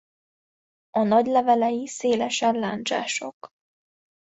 A nagy levelei szélesen lándzsások.